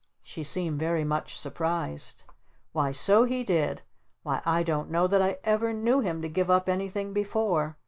She seemed very much surprised. "Why so he did! Why I don't know that I ever knew him to give up anything before.